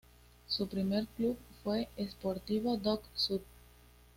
Su primer club fue Sportivo Dock Sud.